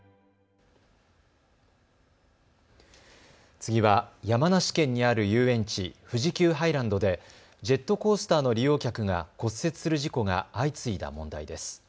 次は山梨県にある遊園地、富士急ハイランドでジェットコースターの利用客が骨折する事故が相次いだ問題です。